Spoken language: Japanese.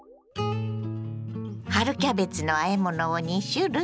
春キャベツのあえ物を２種類。